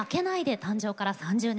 誕生から３０年。